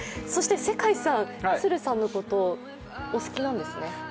そして世界さん、都留さんのことをお好きなんですね。